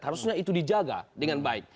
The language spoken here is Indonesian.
harusnya itu dijaga dengan baik